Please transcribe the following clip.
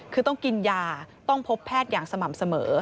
คือต้องกินยาต้องพบแพทย์อย่างสม่ำเสมอ